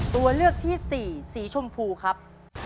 ตัวเลือกที่สี่สีชมพูครับ